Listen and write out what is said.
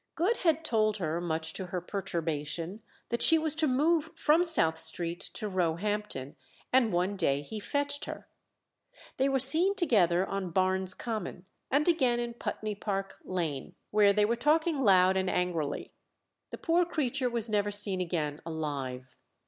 Good had told her, much to her perturbation, that she was to move from South Street to Roehampton, and one day he fetched her. They were seen together on Barnes Common, and again in Putney Park Lane, where they were talking loud and angrily. The poor creature was never seen again alive.